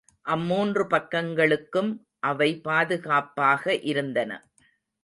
அம்மூன்று பக்கங்களுக்கும் அவை பாதுகாப்பாக இருந்தன.